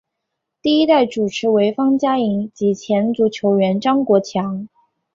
第一代主持为方嘉莹及前足球员张国强。